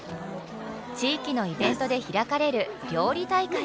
地域のイベントで開かれる料理大会。